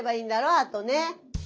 あとね。